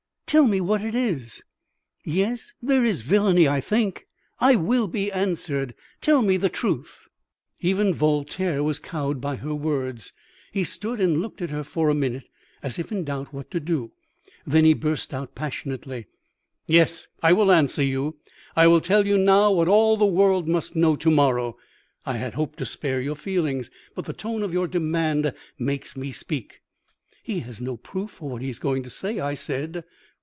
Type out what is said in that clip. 'Tell me what it is. Yes, there is villainy, I think. I will be answered! Tell me the truth!' "Even Voltaire was cowed by her words. He stood and looked at her for a minute as if in doubt what to do. Then he burst out passionately "'Yes, I will answer you. I will tell you now what all the world must know to morrow. I had hoped to spare your feelings, but the tone of your demand makes me speak.' "'He has no proof for what he is going to say,' I said.